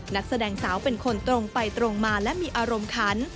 นักแสดงสาวเป็นคนตรงไปตรงมาและมีอารมณ์ขัน